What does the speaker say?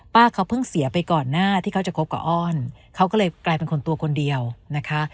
เขาเพิ่งเสียไปก่อนหน้าที่เขาจะคบกับอ้อนเขาก็เลยกลายเป็นคนตัวคนเดียวนะคะ